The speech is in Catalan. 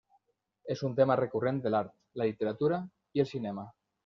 És un tema recurrent de l'art, la literatura i el cinema.